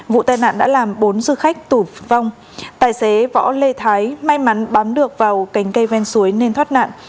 vụ tai nạn đã làm bốn du khách tử vong tài xế võ lê thái may mắn bám được vào cành cây ven suối nên thoát nạn